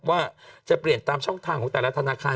ว่าจะเปลี่ยนตามช่องทางของแต่ละธนาคาร